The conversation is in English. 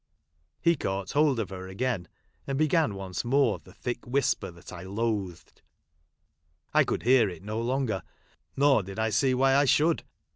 He caught hold of her again, and began once more, the thick whisper that I loathed. I could bear it no longer, nor did I see why I should.